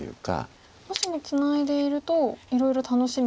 もしもツナいでいるといろいろ楽しみも。